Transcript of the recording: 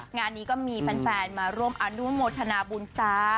งานนี้ก็มีแฟนมาร่วมอนุมธนาปมูนซ้า